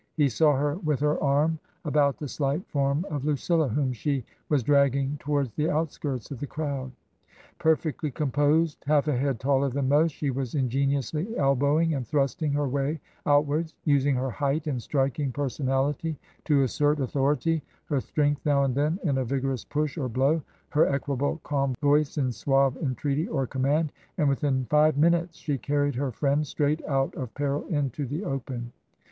He saw her with her arm about the slight form of Lucilla, whom she was dragging towards the outskirts of the crowd. Per fectly composed, half a head talleV than most, she was ingeniously elbowing and thrusting her way outwards, using her height and striking personality to assert au thority, her strength now and then in a vigorous push or blow, her equable calm voice in suave entreaty or command. And within five minutes she carried her friend straight out of peril into the open.